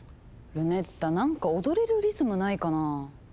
ルネッタ何か踊れるリズムないかなぁ？